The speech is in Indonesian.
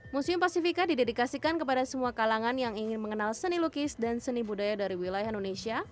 museum pasifika didedikasikan kepada semua kalangan yang ingin mengenal seni lukis dan seni budaya dari wilayah indonesia